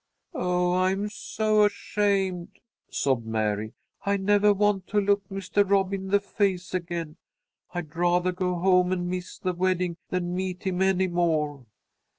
"Oh, I'm so ashamed," sobbed Mary. "I never want to look Mister Rob in the face again. I'd rather go home and miss the wedding than meet him any more."